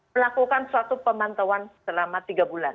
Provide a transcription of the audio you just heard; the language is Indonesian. melakukan suatu pemantauan selama tiga bulan